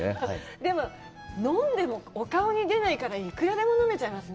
でも、飲んでもお顔に出ないからいくらでも飲めちゃいますね。